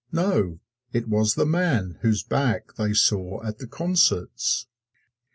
No, it was the man whose back they saw at the concerts.